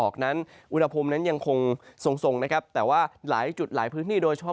กุฎพรมนั้นยังคงส่งแต่ว่าหลายจุดหลายพื้นที่โดยเฉพาะ